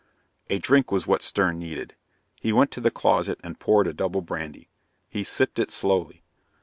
A drink was what Stern needed. He went to the closet and poured a double brandy. He sipped it slowly.